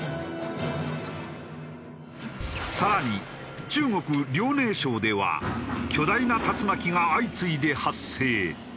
更に中国遼寧省では巨大な竜巻が相次いで発生。